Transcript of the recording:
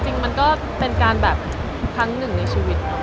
ซึ่งมันก็เป็นการแบบถ้างึงในชีวิต